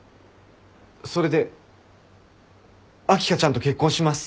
それで秋香ちゃんと結婚します。